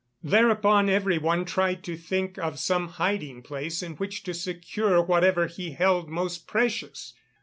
Thereupon everyone tried to think of some hiding place in which to secure whatever he held most precious.